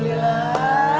istri udah setuju katanya